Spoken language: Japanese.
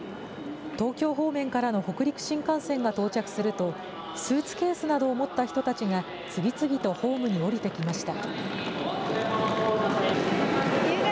東京方面からの北陸新幹線が到着すると、スーツケースなどを持った人たちが次々とホームに降りてきました。